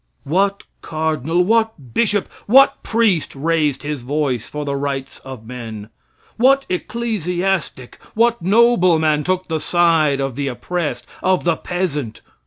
What cardinal, what bishop, what priest raised his voice for the rights of men? What ecclesiastic, what nobleman, took the side of the oppressed of the peasant?